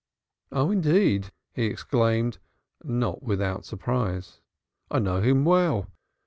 "Oh, indeed!" he exclaimed, not without surprise, "I know him well.